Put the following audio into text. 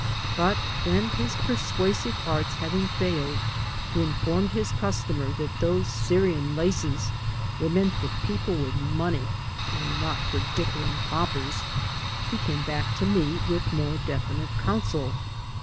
But when, his persuasive arts having failed, he informed his customer that those Syrian laces were meant for people with money and not for dickering paupers, he came back to me with more definite counsel.